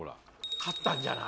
勝ったんじゃない？